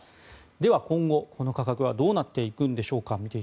では今後、この価格はどうなっていくんでしょうか。